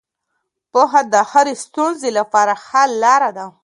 پوهه د هرې ستونزې لپاره حل لاره ده.